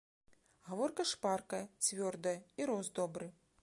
Гаворка шпаркая, цвёрдая і рост добры.